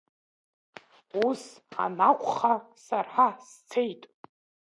Ус анакәха, сара сцеит.